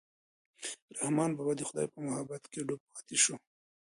رحمان بابا د خدای په محبت کې ډوب پاتې شو.